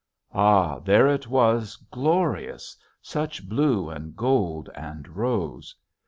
Ah, there it was glorious; such blue and gold and rose!